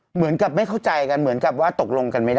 เหมือนกับไม่เข้าใจกันเหมือนกับว่าตกลงกันไม่ได้